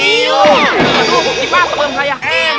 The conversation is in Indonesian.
aduh tiba tiba belom kaya